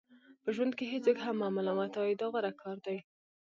په ژوند کې هیڅوک هم مه ملامتوئ دا غوره کار دی.